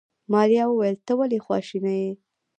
ماريا وويل ته ولې خواشيني يې.